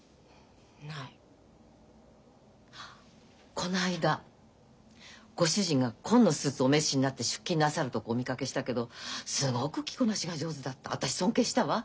この間ご主人が紺のスーツお召しになって出勤なさるとこお見かけしたけどすごく着こなしが上手だった私尊敬したわ。